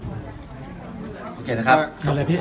โอเคนะครับ